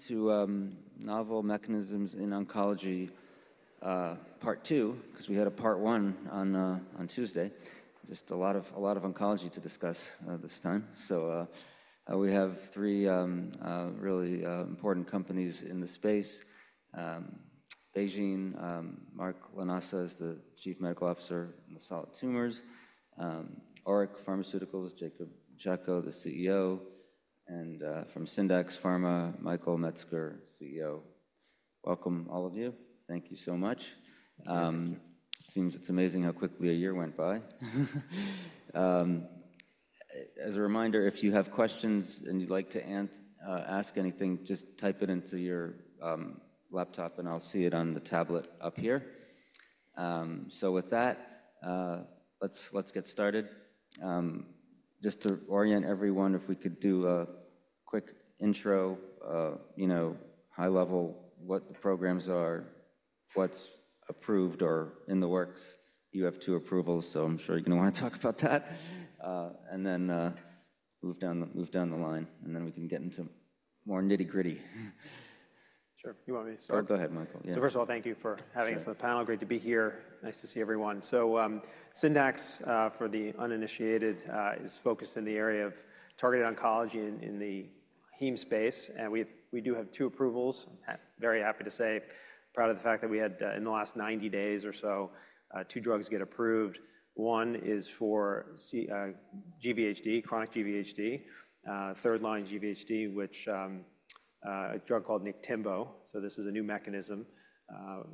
Everyone, to Novel Mechanisms in Oncology Part 2, because we had a Part 1 on Tuesday. Just a lot of oncology to discuss this time. So we have three really important companies in the space: BeiGene, Mark Lanasa is the Chief Medical Officer in the solid tumors; ORIC Pharmaceuticals, Jacob Chacko, the CEO; and from Syndax Pharma, Michael Metzger, CEO. Welcome, all of you. Thank you so much. It seems it's amazing how quickly a year went by. As a reminder, if you have questions and you'd like to ask anything, just type it into your laptop and I'll see it on the tablet up here. So with that, let's get started. Just to orient everyone, if we could do a quick intro, high level, what the programs are, what's approved or in the works. You have two approvals, so I'm sure you're going to want to talk about that. And then move down the line, and then we can get into more nitty-gritty. Sure. You want me to start? Go ahead, Michael. So first of all, thank you for having us on the panel. Great to be here. Nice to see everyone. So Syndax, for the uninitiated, is focused in the area of targeted oncology in the heme space. And we do have two approvals. Very happy to say, proud of the fact that we had, in the last 90 days or so, two drugs get approved. One is for GVHD, chronic GVHD, third-line GVHD, which is a drug called Niktimvo. So this is a new mechanism,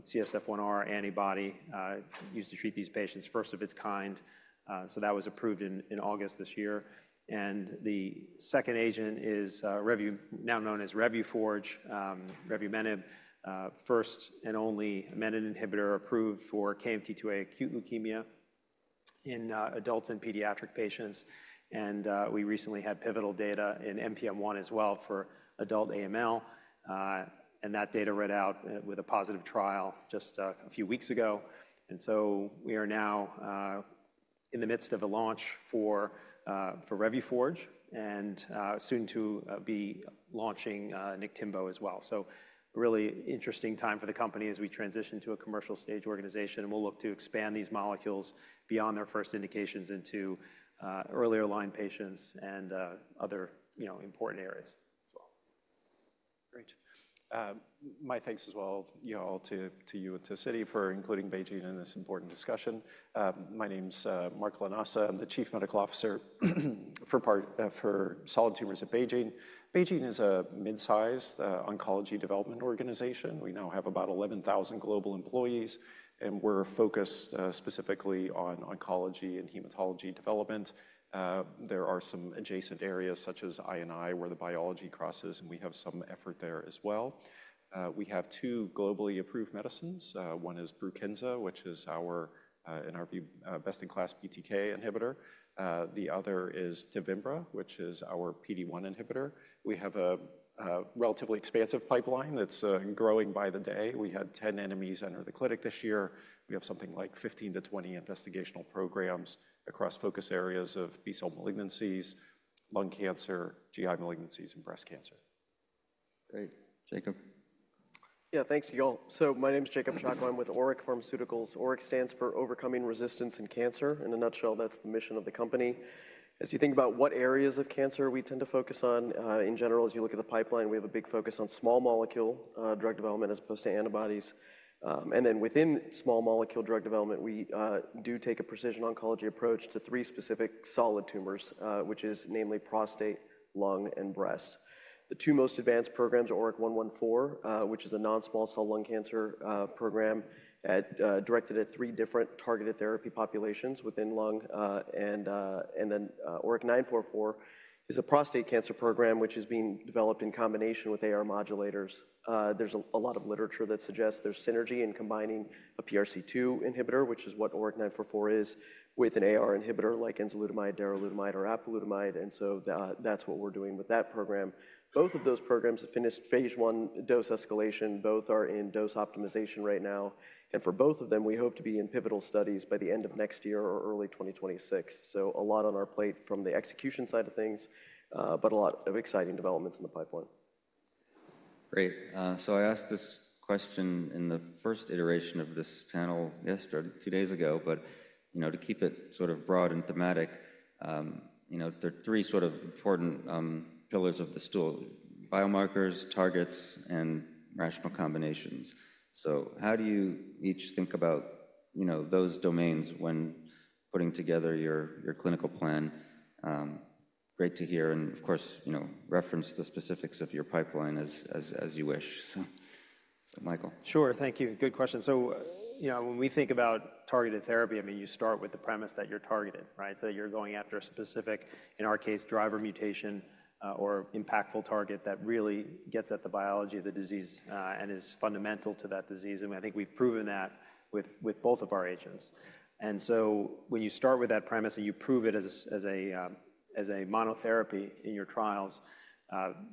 CSF1R antibody used to treat these patients, first of its kind. So that was approved in August this year. And the second agent is now known as Revuforj, Revumenib, first and only menin inhibitor approved for KMT2A acute leukemia in adults and pediatric patients. And we recently had pivotal data in NPM1 as well for adult AML. And that data read out with a positive trial just a few weeks ago. And so we are now in the midst of a launch for Revuforj and soon to be launching Niktimvo as well. So really interesting time for the company as we transition to a commercial stage organization. And we'll look to expand these molecules beyond their first indications into earlier line patients and other important areas as well. Great. My thanks as well, Yigal, to you and to Citi for including BeiGene in this important discussion. My name's Mark Lanasa. I'm the Chief Medical Officer for solid tumors at BeiGene. BeiGene is a mid-sized oncology development organization. We now have about 11,000 global employees. And we're focused specifically on oncology and hematology development. There are some adjacent areas such as INI, where the biology crosses, and we have some effort there as well. We have two globally approved medicines. One is Brukinza, which is our, in our view, best-in-class BTK inhibitor. The other is Tevimbra, which is our PD-1 inhibitor. We have a relatively expansive pipeline that's growing by the day. We had 10 NMEs enter the clinic this year. We have something like 15-20 investigational programs across focus areas of B-cell malignancies, lung cancer, GI malignancies, and breast cancer. Great. Jacob. Yeah, thanks, Yigal. So my name is Jacob Chacko. I'm with ORIC Pharmaceuticals. ORIC stands for Overcoming Resistance in Cancer. In a nutshell, that's the mission of the company. As you think about what areas of cancer we tend to focus on, in general, as you look at the pipeline, we have a big focus on small molecule drug development as opposed to antibodies. And then within small molecule drug development, we do take a precision oncology approach to three specific solid tumors, which is namely prostate, lung, and breast. The two most advanced programs are ORIC-114, which is a non-small cell lung cancer program directed at three different targeted therapy populations within lung. And then ORIC-944 is a prostate cancer program, which is being developed in combination with AR modulators. There's a lot of literature that suggests there's synergy in combining a PRC2 inhibitor, which is what ORIC-944 is, with an AR inhibitor like enzalutamide, daralutamide, or apalutamide, and so that's what we're doing with that program. Both of those programs have finished phase 1 dose escalation. Both are in dose optimization right now, and for both of them, we hope to be in pivotal studies by the end of next year or early 2026, so a lot on our plate from the execution side of things, but a lot of exciting developments in the pipeline. Great. So I asked this question in the first iteration of this panel yesterday, two days ago. But to keep it sort of broad and thematic, there are three sort of important pillars of the stool: biomarkers, targets, and rational combinations. So how do you each think about those domains when putting together your clinical plan? Great to hear. And of course, reference the specifics of your pipeline as you wish. So Michael. Sure. Thank you. Good question. So when we think about targeted therapy, I mean, you start with the premise that you're targeted, right? So that you're going after a specific, in our case, driver mutation or impactful target that really gets at the biology of the disease and is fundamental to that disease. And I think we've proven that with both of our agents. And so when you start with that premise and you prove it as a monotherapy in your trials,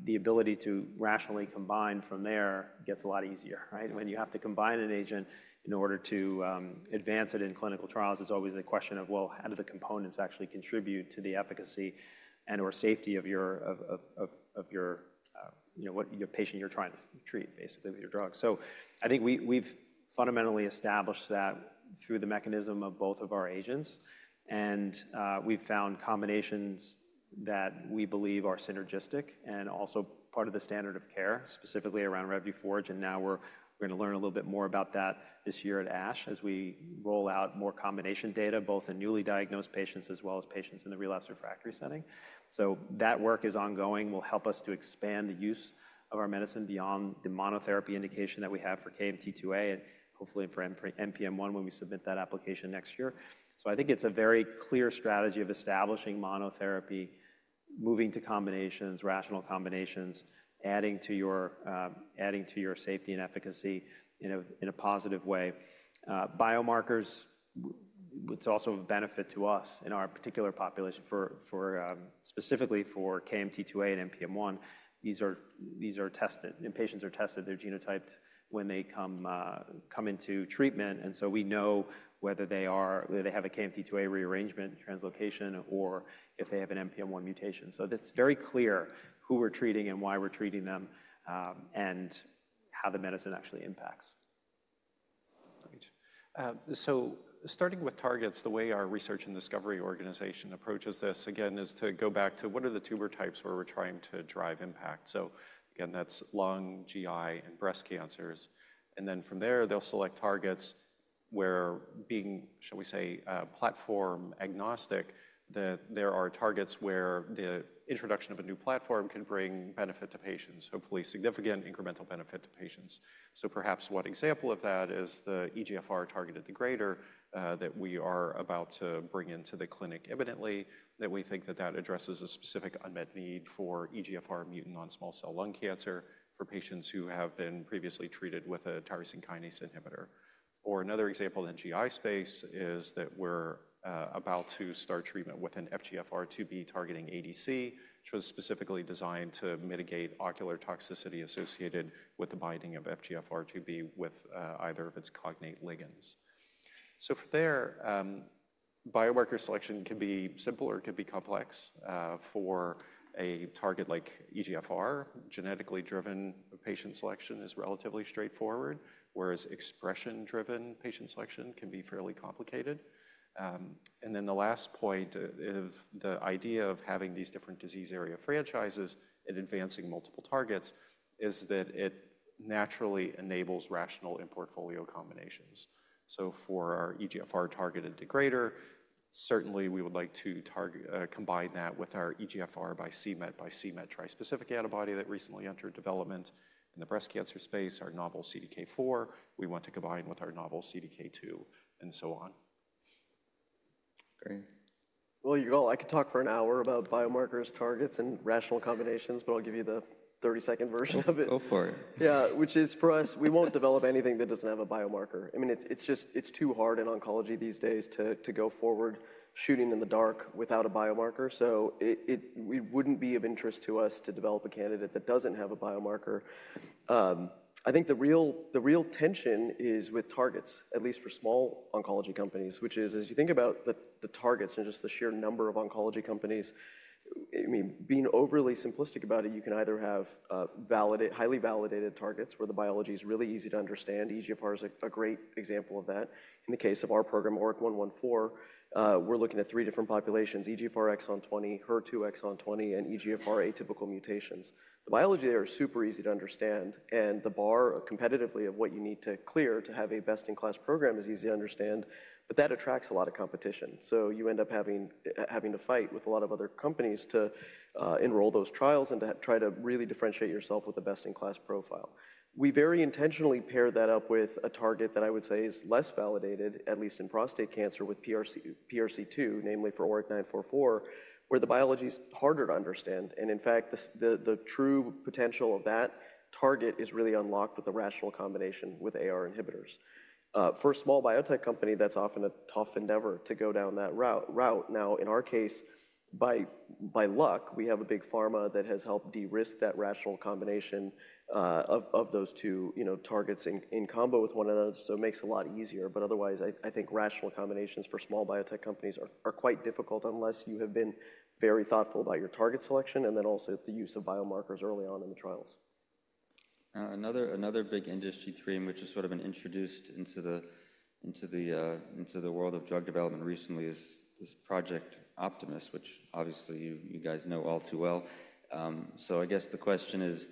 the ability to rationally combine from there gets a lot easier, right? When you have to combine an agent in order to advance it in clinical trials, it's always the question of, well, how do the components actually contribute to the efficacy and/or safety of what patient you're trying to treat, basically, with your drug. I think we've fundamentally established that through the mechanism of both of our agents. We've found combinations that we believe are synergistic and also part of the standard of care, specifically around Revuforj. Now we're going to learn a little bit more about that this year at ASH as we roll out more combination data, both in newly diagnosed patients as well as patients in the relapse refractory setting. That work is ongoing. It will help us to expand the use of our medicine beyond the monotherapy indication that we have for KMT2A and hopefully for NPM1 when we submit that application next year. I think it's a very clear strategy of establishing monotherapy, moving to combinations, rational combinations, adding to your safety and efficacy in a positive way. Biomarkers. It's also a benefit to us in our particular population, specifically for KMT2A and NPM1. These are tested. Patients are tested. They're genotyped when they come into treatment, and so we know whether they have a KMT2A rearrangement translocation or if they have an NPM1 mutation, so that's very clear who we're treating and why we're treating them and how the medicine actually impacts. Great. So starting with targets, the way our research and discovery organization approaches this, again, is to go back to what are the tumor types where we're trying to drive impact. So again, that's lung, GI, and breast cancers. And then from there, they'll select targets where being, shall we say, platform agnostic, that there are targets where the introduction of a new platform can bring benefit to patients, hopefully significant incremental benefit to patients. So perhaps one example of that is the EGFR targeted degrader that we are about to bring into the clinic, evidently, that we think that that addresses a specific unmet need for EGFR mutant non-small cell lung cancer for patients who have been previously treated with a tyrosine kinase inhibitor. Another example in the GI space is that we're about to start treatment with an FGFR2b targeting ADC, which was specifically designed to mitigate ocular toxicity associated with the binding of FGFR2b with either of its cognate ligands. From there, biomarker selection can be simple or can be complex. For a target like EGFR, genetically driven patient selection is relatively straightforward, whereas expression-driven patient selection can be fairly complicated. Then the last point of the idea of having these different disease area franchises and advancing multiple targets is that it naturally enables rational and portfolio combinations. For our EGFR targeted degrader, certainly we would like to combine that with our EGFR by c-MET trispecific antibody that recently entered development in the breast cancer space, our novel CDK4. We want to combine with our novel CDK2 and so on. Great. You go. I could talk for an hour about biomarkers, targets, and rational combinations, but I'll give you the 30-second version of it. Go for it. Yeah, which is for us, we won't develop anything that doesn't have a biomarker. I mean, it's just too hard in oncology these days to go forward shooting in the dark without a biomarker. So it wouldn't be of interest to us to develop a candidate that doesn't have a biomarker. I think the real tension is with targets, at least for small oncology companies, which is, as you think about the targets and just the sheer number of oncology companies, I mean, being overly simplistic about it, you can either have highly validated targets where the biology is really easy to understand. EGFR is a great example of that. In the case of our program, ORIC-114, we're looking at three different populations: EGFR exon 20, HER2 exon 20, and EGFR atypical mutations. The biology there is super easy to understand. And the bar, competitively, of what you need to clear to have a best-in-class program is easy to understand. But that attracts a lot of competition. So you end up having to fight with a lot of other companies to enroll those trials and to try to really differentiate yourself with the best-in-class profile. We very intentionally pair that up with a target that I would say is less validated, at least in prostate cancer, with PRC2, namely for ORIC-944, where the biology is harder to understand. And in fact, the true potential of that target is really unlocked with a rational combination with AR inhibitors. For a small biotech company, that's often a tough endeavor to go down that route. Now, in our case, by luck, we have a big pharma that has helped de-risk that rational combination of those two targets in combo with one another. So it makes it a lot easier. But otherwise, I think rational combinations for small biotech companies are quite difficult unless you have been very thoughtful about your target selection and then also the use of biomarkers early on in the trials. Another big industry theme, which is sort of an introduction into the world of drug development recently, is this Project Optimus, which obviously you guys know all too well. So I guess the question is,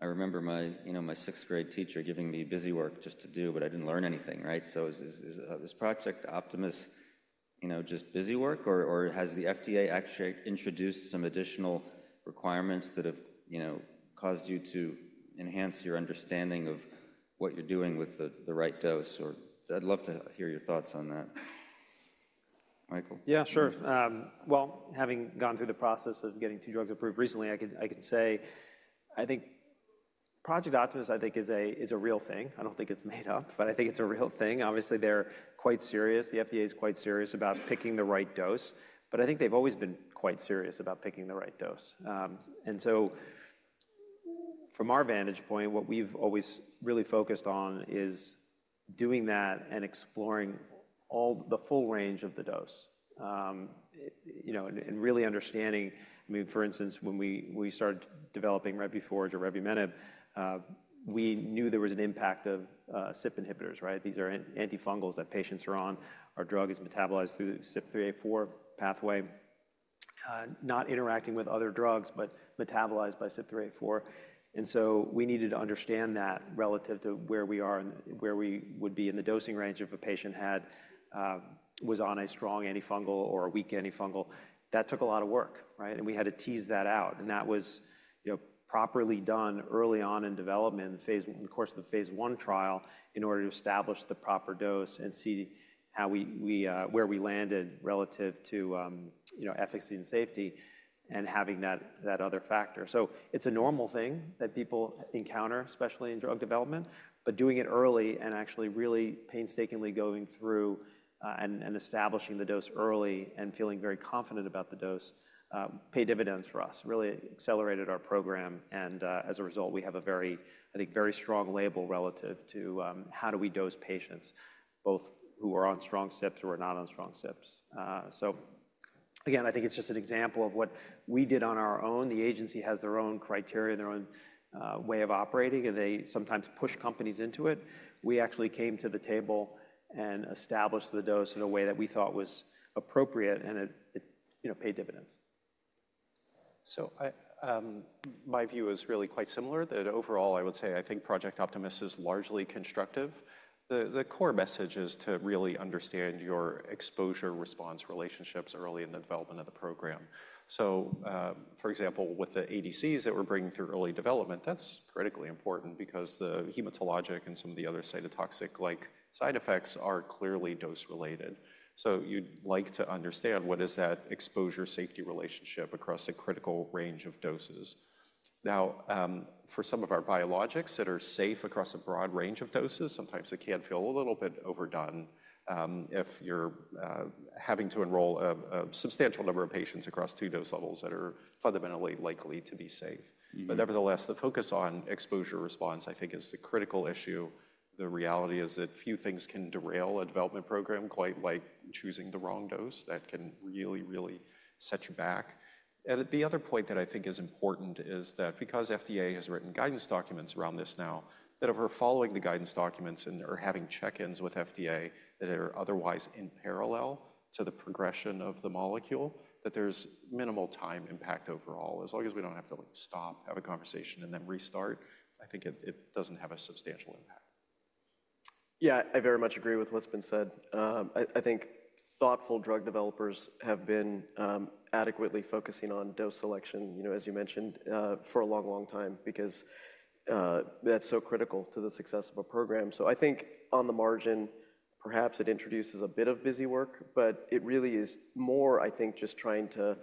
I remember my sixth-grade teacher giving me busy work just to do, but I didn't learn anything, right? So is this Project Optimus just busy work, or has the FDA actually introduced some additional requirements that have caused you to enhance your understanding of what you're doing with the right dose? Or I'd love to hear your thoughts on that. Michael? Yeah, sure. Well, having gone through the process of getting two drugs approved recently, I can say I think Project Optimus, I think, is a real thing. I don't think it's made up, but I think it's a real thing. Obviously, they're quite serious. The FDA is quite serious about picking the right dose. But I think they've always been quite serious about picking the right dose, and so from our vantage point, what we've always really focused on is doing that and exploring the full range of the dose and really understanding. I mean, for instance, when we started developing Revuforj or Revumenib, we knew there was an impact of CYP inhibitors, right? These are antifungals that patients are on. Our drug is metabolized through the CYP3A4 pathway, not interacting with other drugs, but metabolized by CYP3A4. And so we needed to understand that relative to where we are and where we would be in the dosing range if a patient was on a strong antifungal or a weak antifungal. That took a lot of work, right? And we had to tease that out. And that was properly done early on in development, in the course of the phase 1 trial, in order to establish the proper dose and see where we landed relative to efficacy and safety and having that other factor. So it's a normal thing that people encounter, especially in drug development. But doing it early and actually really painstakingly going through and establishing the dose early and feeling very confident about the dose paid dividends for us, really accelerated our program. And as a result, we have a very, I think, very strong label relative to how do we dose patients, both who are on strong CYPs or who are not on strong CYPs. So again, I think it's just an example of what we did on our own. The agency has their own criteria and their own way of operating, and they sometimes push companies into it. We actually came to the table and established the dose in a way that we thought was appropriate, and it paid dividends. So my view is really quite similar that overall, I would say I think Project Optimus is largely constructive. The core message is to really understand your exposure response relationships early in the development of the program. So for example, with the ADCs that we're bringing through early development, that's critically important because the hematologic and some of the other cytotoxic-like side effects are clearly dose-related. So you'd like to understand what is that exposure safety relationship across a critical range of doses. Now, for some of our biologics that are safe across a broad range of doses, sometimes it can feel a little bit overdone if you're having to enroll a substantial number of patients across two dose levels that are fundamentally likely to be safe. But nevertheless, the focus on exposure response, I think, is the critical issue. The reality is that few things can derail a development program quite like choosing the wrong dose that can really, really set you back. And the other point that I think is important is that because FDA has written guidance documents around this now, that if we're following the guidance documents and are having check-ins with FDA that are otherwise in parallel to the progression of the molecule, that there's minimal time impact overall. As long as we don't have to stop, have a conversation, and then restart, I think it doesn't have a substantial impact. Yeah, I very much agree with what's been said. I think thoughtful drug developers have been adequately focusing on dose selection, as you mentioned, for a long, long time because that's so critical to the success of a program. So I think on the margin, perhaps it introduces a bit of busy work, but it really is more, I think, just trying to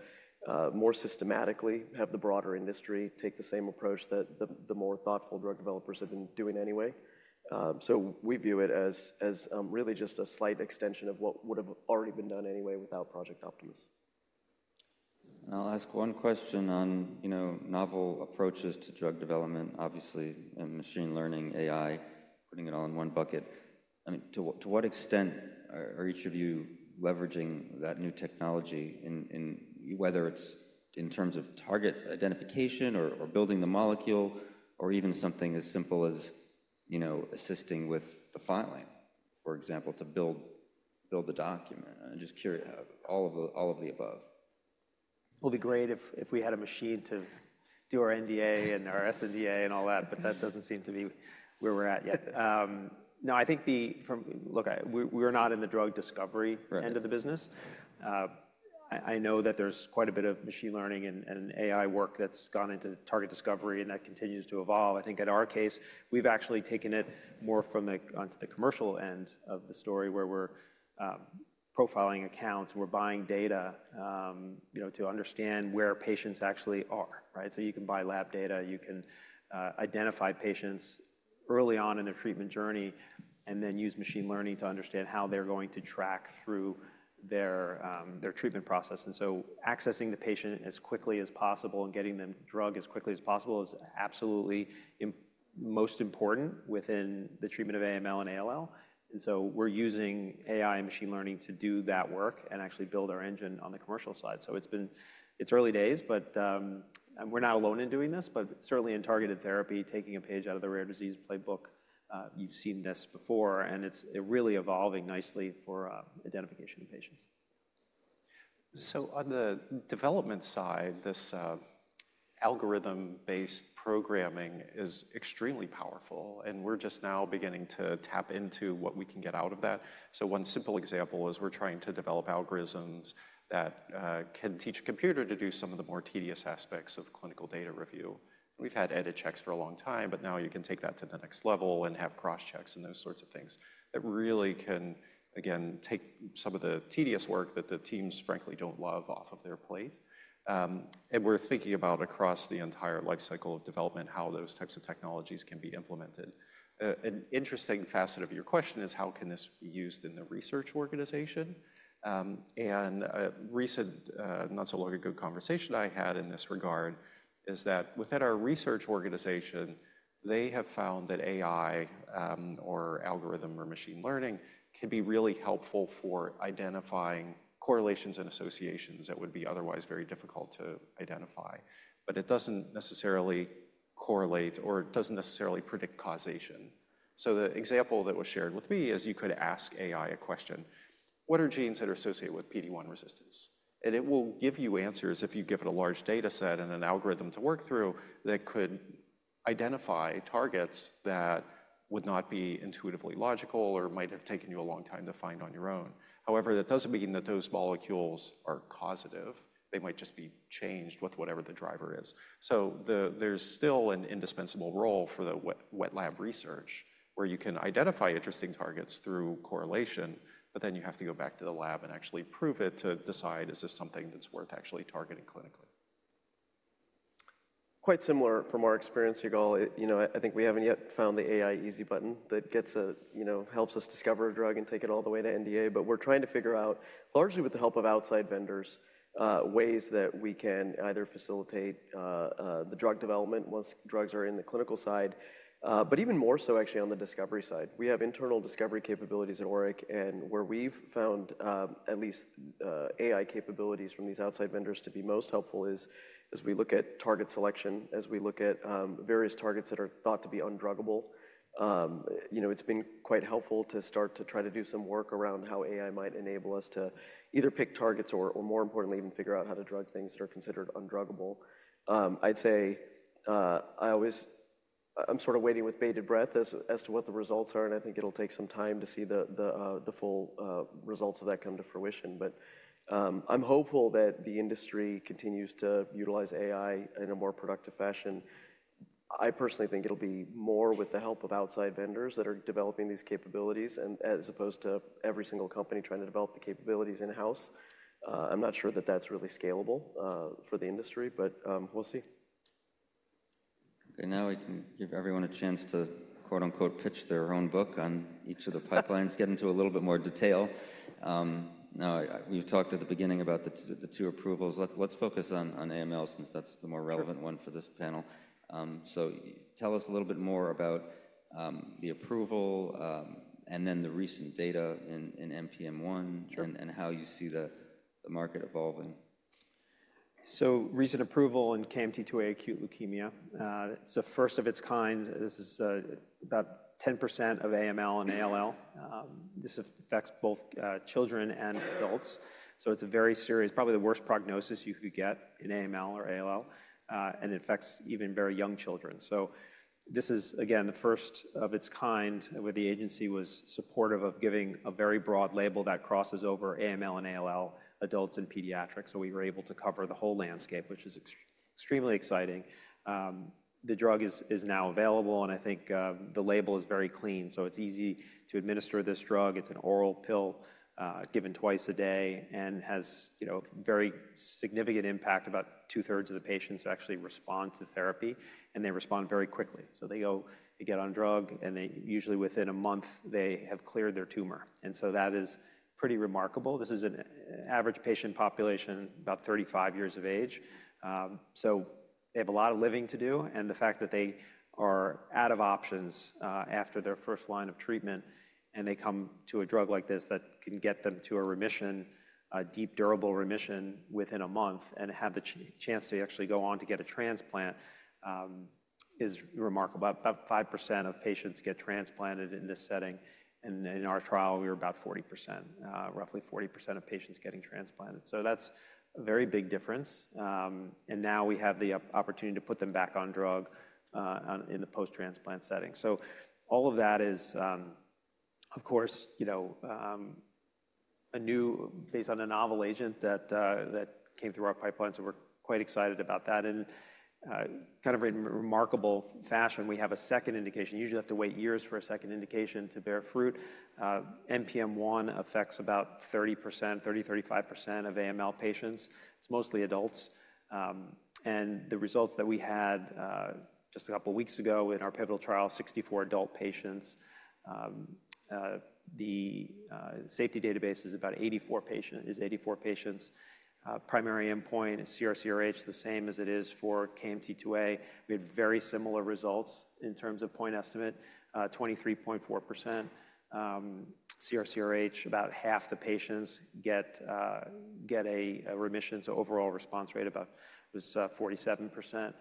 more systematically have the broader industry take the same approach that the more thoughtful drug developers have been doing anyway. So we view it as really just a slight extension of what would have already been done anyway without Project Optimus. I'll ask one question on novel approaches to drug development, obviously, and machine learning, AI, putting it all in one bucket. I mean, to what extent are each of you leveraging that new technology, whether it's in terms of target identification or building the molecule, or even something as simple as assisting with the filing, for example, to build the document? I'm just curious, all of the above. It'll be great if we had a machine to do our NDA and our SNDA and all that, but that doesn't seem to be where we're at yet. No, I think, look, we're not in the drug discovery end of the business. I know that there's quite a bit of machine learning and AI work that's gone into target discovery, and that continues to evolve. I think in our case, we've actually taken it more from the commercial end of the story where we're profiling accounts. We're buying data to understand where patients actually are, right? So you can buy lab data. You can identify patients early on in their treatment journey and then use machine learning to understand how they're going to track through their treatment process. And so accessing the patient as quickly as possible and getting them the drug as quickly as possible is absolutely most important within the treatment of AML and ALL. And so we're using AI and machine learning to do that work and actually build our engine on the commercial side. So it's early days, but we're not alone in doing this, but certainly in targeted therapy, taking a page out of the rare disease playbook, you've seen this before, and it's really evolving nicely for identification of patients. On the development side, this algorithm-based programming is extremely powerful, and we're just now beginning to tap into what we can get out of that. One simple example is we're trying to develop algorithms that can teach a computer to do some of the more tedious aspects of clinical data review. We've had edit checks for a long time, but now you can take that to the next level and have cross-checks and those sorts of things that really can, again, take some of the tedious work that the teams, frankly, don't love off of their plate. We're thinking about across the entire life cycle of development, how those types of technologies can be implemented. An interesting facet of your question is how can this be used in the research organization? A recent, not so long ago, conversation I had in this regard is that within our research organization, they have found that AI or algorithm or machine learning can be really helpful for identifying correlations and associations that would be otherwise very difficult to identify. It doesn't necessarily correlate or it doesn't necessarily predict causation. The example that was shared with me is you could ask AI a question, what are genes that are associated with PD-1 resistance? And it will give you answers if you give it a large data set and an algorithm to work through that could identify targets that would not be intuitively logical or might have taken you a long time to find on your own. However, that doesn't mean that those molecules are causative. They might just be changed with whatever the driver is. So there's still an indispensable role for the wet lab research where you can identify interesting targets through correlation, but then you have to go back to the lab and actually prove it to decide, is this something that's worth actually targeting clinically? Quite similar from our experience, Yigal, I think we haven't yet found the AI easy button that helps us discover a drug and take it all the way to NDA. But we're trying to figure out, largely with the help of outside vendors, ways that we can either facilitate the drug development once drugs are in the clinical side, but even more so actually on the discovery side. We have internal discovery capabilities at ORIC, and where we've found at least AI capabilities from these outside vendors to be most helpful is as we look at target selection, as we look at various targets that are thought to be undruggable. It's been quite helpful to start to try to do some work around how AI might enable us to either pick targets or, more importantly, even figure out how to drug things that are considered undruggable. I'd say I always, I'm sort of waiting with bated breath as to what the results are, and I think it'll take some time to see the full results of that come to fruition. But I'm hopeful that the industry continues to utilize AI in a more productive fashion. I personally think it'll be more with the help of outside vendors that are developing these capabilities as opposed to every single company trying to develop the capabilities in-house. I'm not sure that that's really scalable for the industry, but we'll see. Okay, now we can give everyone a chance to "pitch" their own book on each of the pipelines, get into a little bit more detail. Now, we've talked at the beginning about the two approvals. Let's focus on AML since that's the more relevant one for this panel. So tell us a little bit more about the approval and then the recent data in NPM1 and how you see the market evolving. So recent approval in KMT2A acute leukemia. It's a first of its kind. This is about 10% of AML and ALL. This affects both children and adults. So it's a very serious, probably the worst prognosis you could get in AML or ALL, and it affects even very young children. So this is, again, the first of its kind where the agency was supportive of giving a very broad label that crosses over AML and ALL, adults and pediatrics. So we were able to cover the whole landscape, which is extremely exciting. The drug is now available, and I think the label is very clean. So it's easy to administer this drug. It's an oral pill given twice a day and has very significant impact. About two-thirds of the patients actually respond to therapy, and they respond very quickly. So they go get on drug, and usually within a month, they have cleared their tumor. And so that is pretty remarkable. This is an average patient population, about 35 years of age. So they have a lot of living to do, and the fact that they are out of options after their first line of treatment and they come to a drug like this that can get them to a remission, a deep, durable remission within a month and have the chance to actually go on to get a transplant is remarkable. About 5% of patients get transplanted in this setting. And in our trial, we were about 40%, roughly 40% of patients getting transplanted. So that's a very big difference. And now we have the opportunity to put them back on drug in the post-transplant setting. So all of that is, of course, based on a novel agent that came through our pipelines, and we're quite excited about that. In kind of a remarkable fashion, we have a second indication. Usually, you have to wait years for a second indication to bear fruit. NPM1 affects about 30%, 30, 35% of AML patients. It's mostly adults. And the results that we had just a couple of weeks ago in our pivotal trial, 64 adult patients. The safety database is about 84 patients. Primary endpoint is CR/CRh, the same as it is for KMT2A. We had very similar results in terms of point estimate, 23.4%. CR/CRh, about half the patients get a remission. So overall response rate was 47%.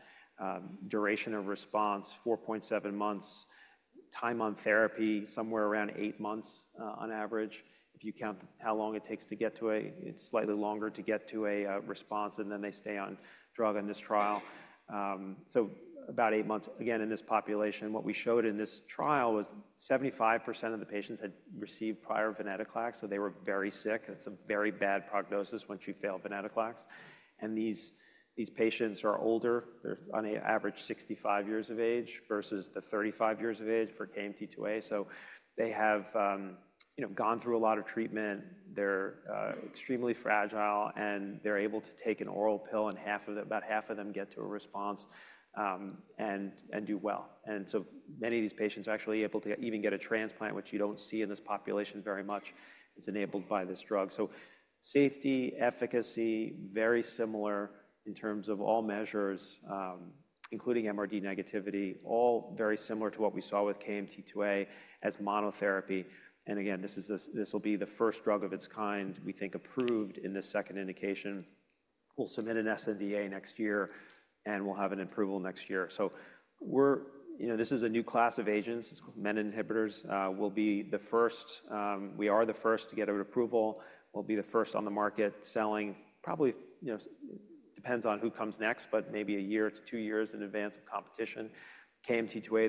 Duration of response, 4.7 months. Time on therapy, somewhere around eight months on average. If you count how long it takes to get to a, it's slightly longer to get to a response, and then they stay on drug in this trial so about eight months. Again, in this population, what we showed in this trial was 75% of the patients had received prior Venetoclax, so they were very sick. That's a very bad prognosis once you fail Venetoclax. These patients are older. They're on average 65 years of age versus the 35 years of age for KMT2A. So they have gone through a lot of treatment. They're extremely fragile, and they're able to take an oral pill, and about half of them get to a response and do well, and so many of these patients are actually able to even get a transplant, which you don't see in this population very much, is enabled by this drug. Safety, efficacy, very similar in terms of all measures, including MRD negativity, all very similar to what we saw with KMT2A as monotherapy, and again, this will be the first drug of its kind, we think, approved in the second indication. We'll submit an SNDA next year, and we'll have an approval next year. This is a new class of agents. It's called menin inhibitors. We'll be the first. We are the first to get an approval. We'll be the first on the market selling. Probably depends on who comes next, but maybe a year to two years in advance of competition. KMT2A,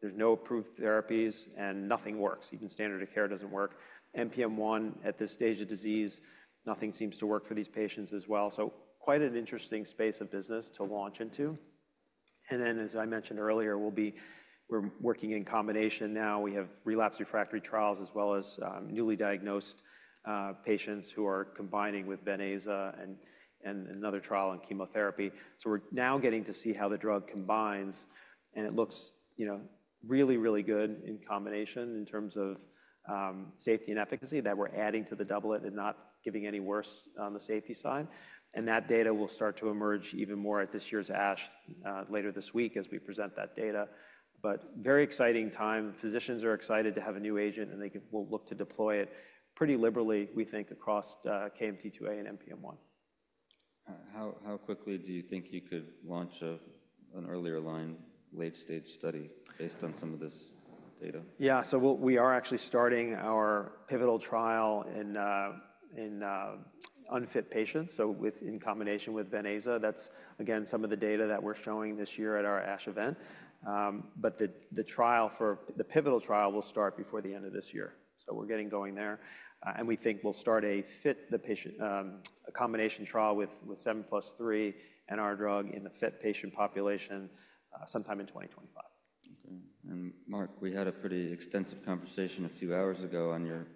there's no approved therapies, and nothing works. Even standard of care doesn't work. NPM1 at this stage of disease, nothing seems to work for these patients as well. Quite an interesting space of business to launch into. And then, as I mentioned earlier, we're working in combination now. We have relapse refractory trials as well as newly diagnosed patients who are combining with venetoclax and another trial in chemotherapy. So we're now getting to see how the drug combines, and it looks really, really good in combination in terms of safety and efficacy that we're adding to the doublet and not giving any worse on the safety side. And that data will start to emerge even more at this year's ASH later this week as we present that data. But very exciting time. Physicians are excited to have a new agent, and they will look to deploy it pretty liberally, we think, across KMT2A and NPM1. How quickly do you think you could launch an earlier line late-stage study based on some of this data? Yeah, so we are actually starting our pivotal trial in unfit patients. So in combination with venetoclax, that's, again, some of the data that we're showing this year at our ASH event. But the pivotal trial will start before the end of this year. So we're getting going there. And we think we'll start a fit patient combination trial with 7+3, our drug in the fit patient population sometime in 2025. Okay. And Mark, we had a pretty extensive conversation a few hours ago on your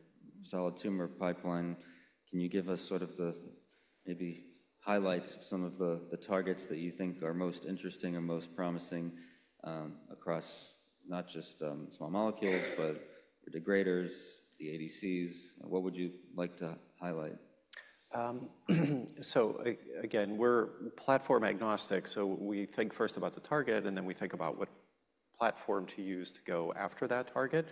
solid tumor pipeline. Can you give us sort of the maybe highlights of some of the targets that you think are most interesting or most promising across not just small molecules, but the degraders, the ADCs? What would you like to highlight? So again, we're platform agnostic. So we think first about the target, and then we think about what platform to use to go after that target.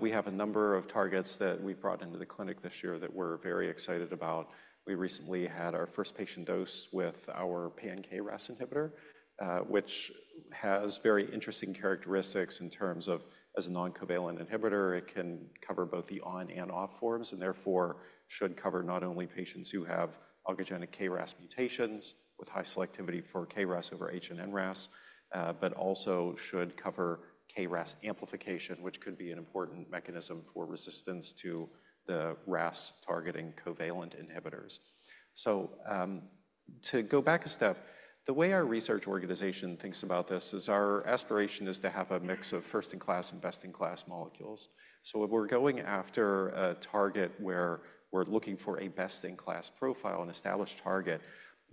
We have a number of targets that we've brought into the clinic this year that we're very excited about. We recently had our first patient dose with our pan-KRAS inhibitor, which has very interesting characteristics in terms of, as a non-covalent inhibitor, it can cover both the on and off forms, and therefore should cover not only patients who have oncogenic KRAS mutations with high selectivity for KRAS over HRAS and NRAS, but also should cover KRAS amplification, which could be an important mechanism for resistance to the RAS targeting covalent inhibitors. So to go back a step, the way our research organization thinks about this is our aspiration is to have a mix of first-in-class and best-in-class molecules. If we're going after a target where we're looking for a best-in-class profile, an established target,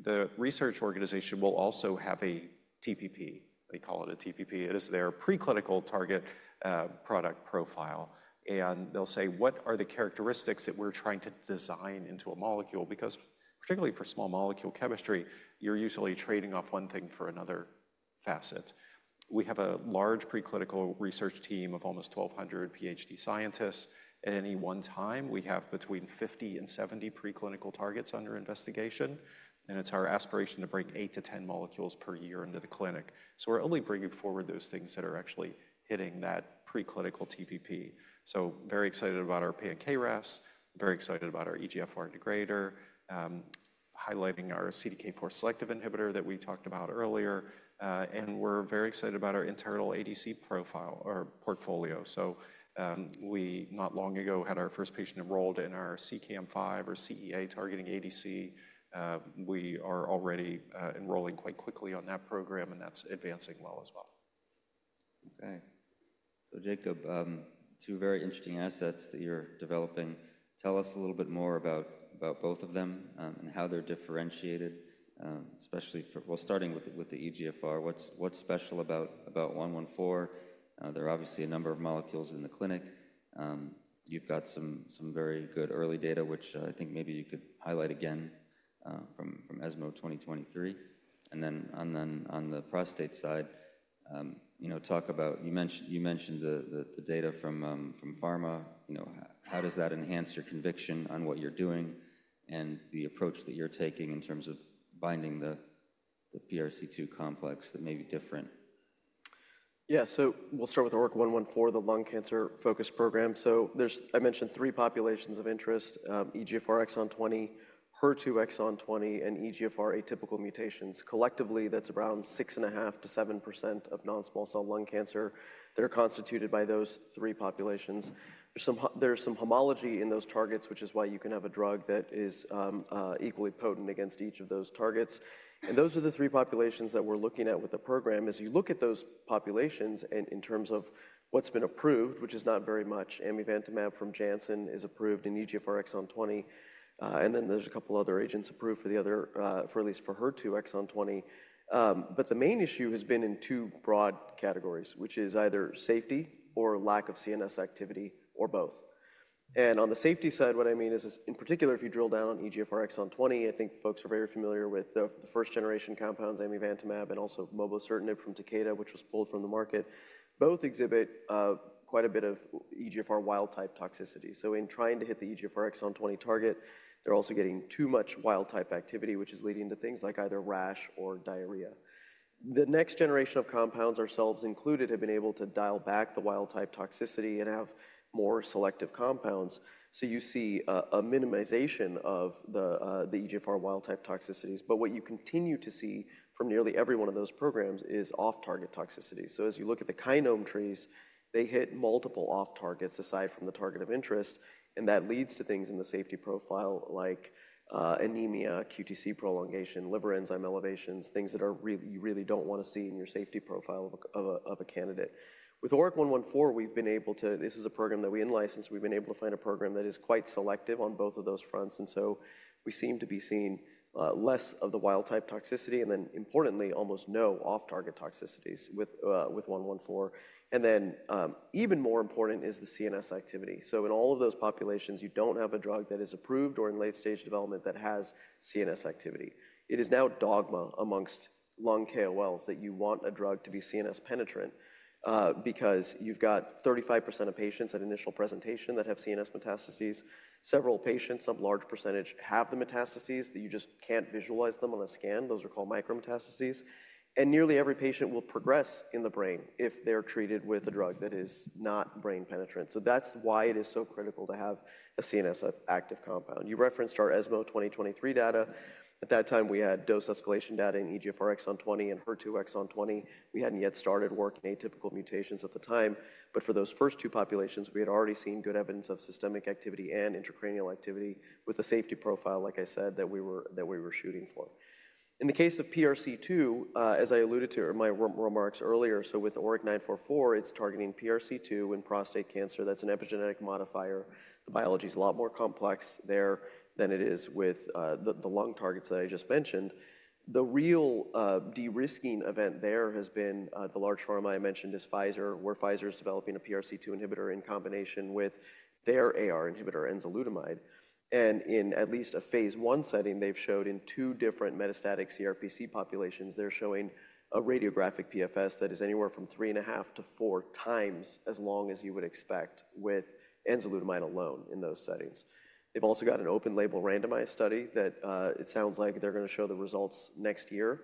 the research organization will also have a TPP. They call it a TPP. It is their preclinical target product profile. And they'll say, what are the characteristics that we're trying to design into a molecule? Because particularly for small molecule chemistry, you're usually trading off one thing for another facet. We have a large preclinical research team of almost 1,200 PhD scientists. At any one time, we have between 50 and 70 preclinical targets under investigation. And it's our aspiration to bring 8 molecules-10 molecules per year into the clinic. So we're only bringing forward those things that are actually hitting that preclinical TPP. So very excited about our pan-KRAS, very excited about our EGFR degrader, highlighting our CDK4 selective inhibitor that we talked about earlier. We're very excited about our internal ADC profile or portfolio. We not long ago had our first patient enrolled in our CEACAM5 or CEA targeting ADC. We are already enrolling quite quickly on that program, and that's advancing well as well. Okay. So Jacob, two very interesting assets that you're developing. Tell us a little bit more about both of them and how they're differentiated, especially for, well, starting with the EGFR. What's special about 114? There are obviously a number of molecules in the clinic. You've got some very good early data, which I think maybe you could highlight again from ESMO 2023. And then on the prostate side, talk about, you mentioned the data from pharma. How does that enhance your conviction on what you're doing and the approach that you're taking in terms of binding the PRC2 complex that may be different? Yeah, so we'll start with ORIC-114, the lung cancer focus program. So I mentioned three populations of interest, EGFR exon 20, HER2 exon 20, and EGFR atypical mutations. Collectively, that's around 6.5%-7% of non-small cell lung cancer. They're constituted by those three populations. There's some homology in those targets, which is why you can have a drug that is equally potent against each of those targets. And those are the three populations that we're looking at with the program. As you look at those populations and in terms of what's been approved, which is not very much, Amivantamab from Janssen is approved in EGFR exon 20. And then there's a couple of other agents approved for the other, for at least for HER2 exon 20. But the main issue has been in two broad categories, which is either safety or lack of CNS activity or both. On the safety side, what I mean is, in particular, if you drill down on EGFR exon 20, I think folks are very familiar with the first-generation compounds, Amivantamab, and also Mobocertinib from Takeda, which was pulled from the market. Both exhibit quite a bit of EGFR wild-type toxicity. So in trying to hit the EGFR exon 20 target, they're also getting too much wild-type activity, which is leading to things like either rash or diarrhea. The next generation of compounds, ourselves included, have been able to dial back the wild-type toxicity and have more selective compounds. So you see a minimization of the EGFR wild-type toxicities. But what you continue to see from nearly every one of those programs is off-target toxicity. So as you look at the kinome trees, they hit multiple off-targets aside from the target of interest. And that leads to things in the safety profile like anemia, QTc prolongation, liver enzyme elevations, things that you really don't want to see in your safety profile of a candidate. With ORIC-114, we've been able to, this is a program that we in-licensed, we've been able to find a program that is quite selective on both of those fronts. And so we seem to be seeing less of the wild-type toxicity and then, importantly, almost no off-target toxicities with 114. And then even more important is the CNS activity. So in all of those populations, you don't have a drug that is approved or in late-stage development that has CNS activity. It is now dogma among lung KOLs that you want a drug to be CNS penetrant because you've got 35% of patients at initial presentation that have CNS metastases. Several patients, some large percentage, have the metastases that you just can't visualize them on a scan. Those are called micrometastases, and nearly every patient will progress in the brain if they're treated with a drug that is not brain penetrant, so that's why it is so critical to have a CNS active compound. You referenced our ESMO 2023 data. At that time, we had dose escalation data in EGFR exon 20 and HER2 exon 20. We hadn't yet started working on atypical mutations at the time. But for those first two populations, we had already seen good evidence of systemic activity and intracranial activity with the safety profile, like I said, that we were shooting for. In the case of PRC2, as I alluded to in my remarks earlier, so with ORIC-944, it's targeting PRC2 in prostate cancer. That's an epigenetic modifier. The biology is a lot more complex there than it is with the lung targets that I just mentioned. The real de-risking event there has been the large pharma I mentioned is Pfizer, where Pfizer is developing a PRC2 inhibitor in combination with their AR inhibitor, enzalutamide, and in at least a phase 1 setting, they've showed in two different metastatic CRPC populations, they're showing a radiographic PFS that is anywhere from 3.5 to 4 times as long as you would expect with enzalutamide alone in those settings. They've also got an open-label randomized study that it sounds like they're going to show the results next year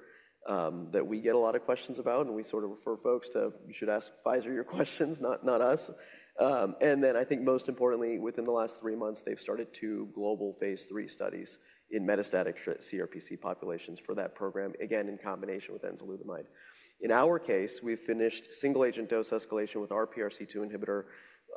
that we get a lot of questions about, and we sort of refer folks to, you should ask Pfizer your questions, not us. And then I think most importantly, within the last three months, they've started two global phase 3 studies in metastatic CRPC populations for that program, again, in combination with enzalutamide. In our case, we've finished single-agent dose escalation with our PRC2 inhibitor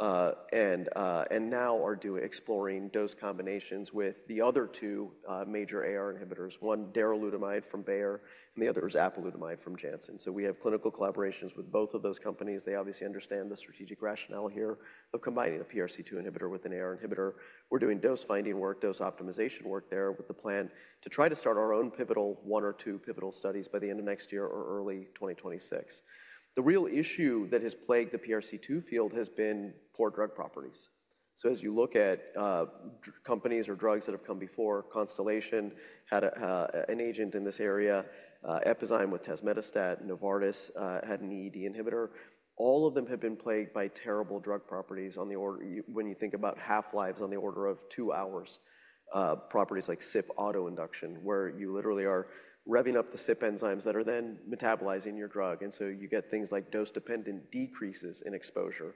and now are exploring dose combinations with the other two major AR inhibitors, one daralutamide from Bayer and the other is apalutamide from Janssen. So we have clinical collaborations with both of those companies. They obviously understand the strategic rationale here of combining a PRC2 inhibitor with an AR inhibitor. We're doing dose-finding work, dose optimization work there with the plan to try to start our own pivotal one or two pivotal studies by the end of next year or early 2026. The real issue that has plagued the PRC2 field has been poor drug properties. So as you look at companies or drugs that have come before, Constellation had an agent in this area, Epizyme with Tazemetostat, Novartis had an EZH2 inhibitor. All of them have been plagued by terrible drug properties on the order, when you think about half-lives on the order of two hours, properties like CYP autoinduction, where you literally are revving up the CYP enzymes that are then metabolizing your drug. And so you get things like dose-dependent decreases in exposure.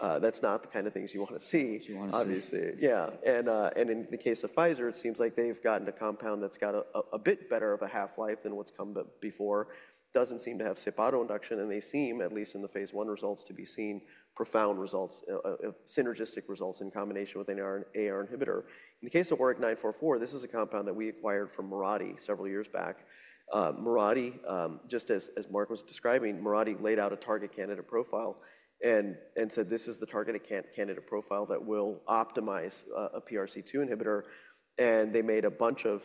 That's not the kind of things you want to see, obviously. Yeah. And in the case of Pfizer, it seems like they've gotten a compound that's got a bit better of a half-life than what's come before. Doesn't seem to have CYP autoinduction, and they seem, at least in the phase 1 results, to be seeing profound results, synergistic results in combination with an AR inhibitor. In the case of ORIC-944, this is a compound that we acquired from Mirati several years back. Mirati, just as Mark was describing, Mirati laid out a target candidate profile and said, this is the target candidate profile that will optimize a PRC2 inhibitor, and they made a bunch of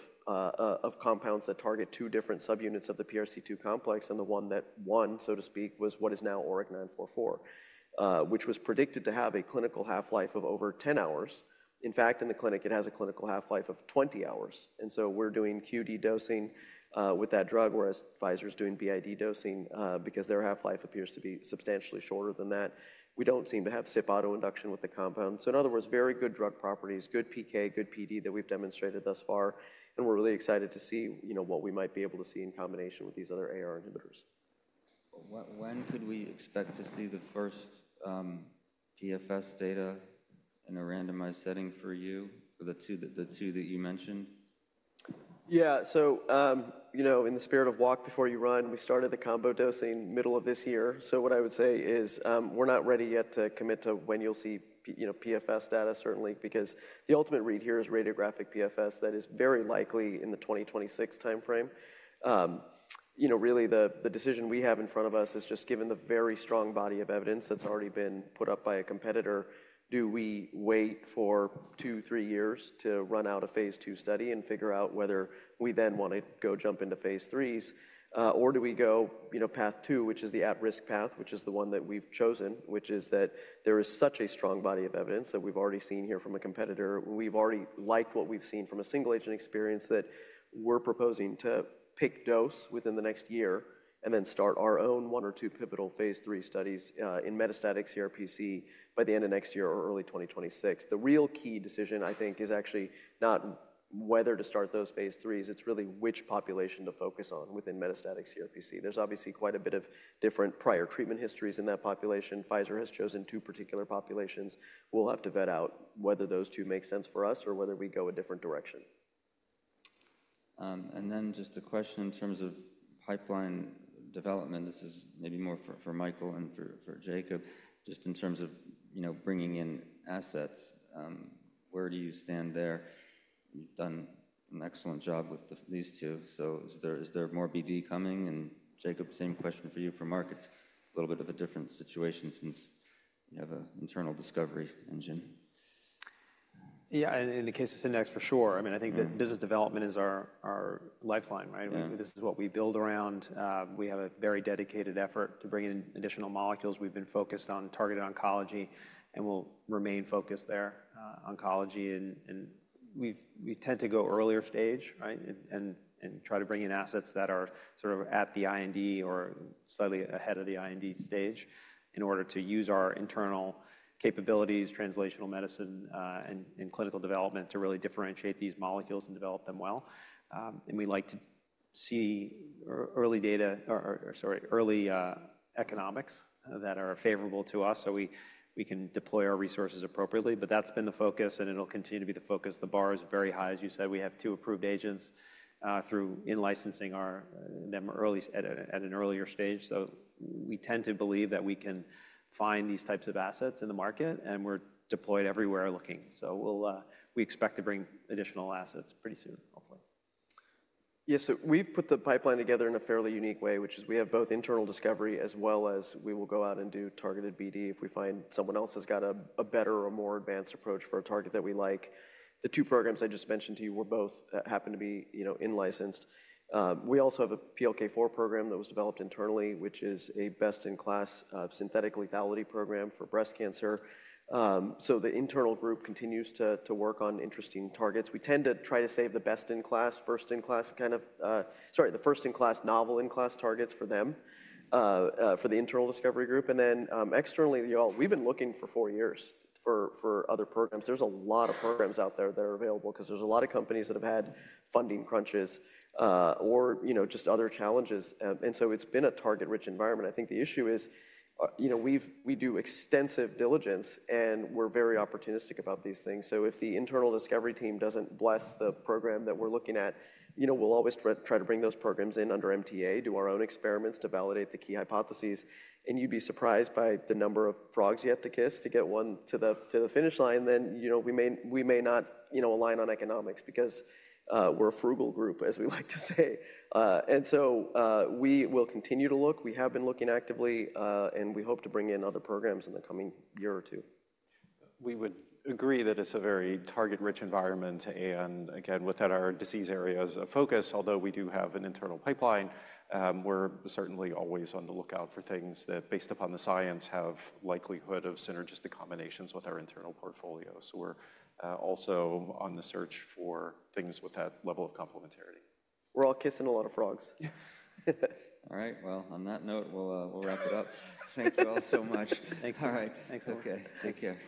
compounds that target two different subunits of the PRC2 complex, and the one that won, so to speak, was what is now ORIC-944, which was predicted to have a clinical half-life of over 10 hours. In fact, in the clinic, it has a clinical half-life of 20 hours, and so we're doing QD dosing with that drug, whereas Pfizer is doing BID dosing because their half-life appears to be substantially shorter than that. We don't seem to have CYP autoinduction with the compound. So in other words, very good drug properties, good PK, good PD that we've demonstrated thus far. And we're really excited to see what we might be able to see in combination with these other AR inhibitors. When could we expect to see the first DFS data in a randomized setting for you, the two that you mentioned? Yeah. So in the spirit of walk before you run, we started the combo dosing middle of this year. So what I would say is we're not ready yet to commit to when you'll see PFS data, certainly, because the ultimate read here is radiographic PFS that is very likely in the 2026 timeframe. Really, the decision we have in front of us is just given the very strong body of evidence that's already been put up by a competitor: do we wait for two, three years to run out a phase two study and figure out whether we then want to go jump into phase threes, or do we go path two, which is the at-risk path, which is the one that we've chosen, which is that there is such a strong body of evidence that we've already seen here from a competitor. We've already liked what we've seen from a single-agent experience that we're proposing to pick dose within the next year and then start our own one or two pivotal phase 3 studies in metastatic CRPC by the end of next year or early 2026. The real key decision, I think, is actually not whether to start those phase 3s. It's really which population to focus on within metastatic CRPC. There's obviously quite a bit of different prior treatment histories in that population. Pfizer has chosen two particular populations. We'll have to vet out whether those two make sense for us or whether we go a different direction. And then just a question in terms of pipeline development. This is maybe more for Michael and for Jacob. Just in terms of bringing in assets, where do you stand there? You've done an excellent job with these two. So is there more BD coming? And Jacob, same question for you for ORIC. A little bit of a different situation since you have an internal discovery engine. Yeah, in the case of Syndax for sure. I mean, I think that business development is our lifeline, right? This is what we build around. We have a very dedicated effort to bring in additional molecules. We've been focused on targeted oncology and will remain focused there, oncology. And we tend to go earlier stage, right, and try to bring in assets that are sort of at the IND or slightly ahead of the IND stage in order to use our internal capabilities, translational medicine, and clinical development to really differentiate these molecules and develop them well. And we like to see early data, sorry, early economics that are favorable to us so we can deploy our resources appropriately. But that's been the focus, and it'll continue to be the focus. The bar is very high, as you said. We have two approved agents through in-licensing them at an earlier stage. We tend to believe that we can find these types of assets in the market, and we're deployed everywhere looking. We expect to bring additional assets pretty soon, hopefully. Yes, so we've put the pipeline together in a fairly unique way, which is we have both internal discovery as well as we will go out and do targeted BD if we find someone else has got a better or more advanced approach for a target that we like. The two programs I just mentioned to you happen to be in-licensed. We also have a PLK4 program that was developed internally, which is a best-in-class synthetic lethality program for breast cancer. So the internal group continues to work on interesting targets. We tend to try to save the best-in-class, first-in-class kind of, sorry, the first-in-class, novel-in-class targets for them, for the internal discovery group. And then externally, we've been looking for other programs. There's a lot of programs out there that are available because there's a lot of companies that have had funding crunches or just other challenges, and so it's been a target-rich environment. I think the issue is we do extensive diligence, and we're very opportunistic about these things, so if the internal discovery team doesn't bless the program that we're looking at, we'll always try to bring those programs in under MTA, do our own experiments to validate the key hypotheses, and you'd be surprised by the number of frogs you have to kiss to get one to the finish line, then we may not align on economics because we're a frugal group, as we like to say, and so we will continue to look. We have been looking actively, and we hope to bring in other programs in the coming year or two. We would agree that it's a very target-rich environment. And again, within our disease areas of focus, although we do have an internal pipeline, we're certainly always on the lookout for things that, based upon the science, have likelihood of synergistic combinations with our internal portfolio. So we're also on the search for things with that level of complementarity. We're all kissing a lot of frogs. All right. Well, on that note, we'll wrap it up. Thank you all so much. Thanks. All right. Thanks, everyone. Okay. Take care.